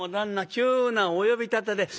急なお呼び立てで。